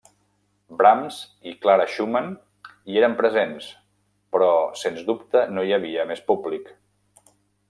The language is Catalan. Brahms i Clara Schumann hi eren presents, però sens dubte no hi havia més públic.